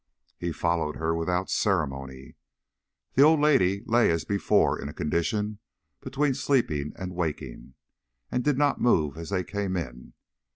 He followed her without ceremony. The old lady lay as before in a condition between sleeping and waking, and did not move as they came in.